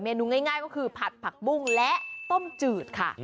นูง่ายก็คือผัดผักบุ้งและต้มจืดค่ะ